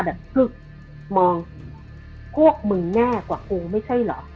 แบบคึกมองพวกมึงแน่กว่าโปไม่ใช่หรอก